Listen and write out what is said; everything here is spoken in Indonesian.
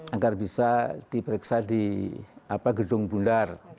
agar bisa diperiksa di gedung bundar